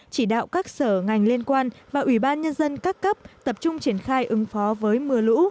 chỉ đạo các sở ngành liên quan và ủy ban nhân dân các cấp tập trung triển khai ứng phó với mưa lũ